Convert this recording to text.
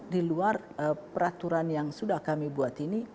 di luar peraturan yang sudah kami buat ini